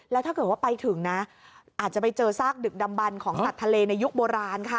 แล้วถ้าเกิดว่าไปถึงนะอาจจะไปเจอซากดึกดำบันของสัตว์ทะเลในยุคโบราณค่ะ